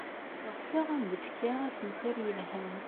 Ɣseɣ ad am-d-fkeɣ assemter yelhan.